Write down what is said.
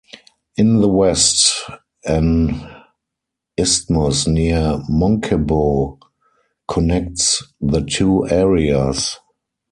In the west, an isthmus near Munkebo connects the two areas.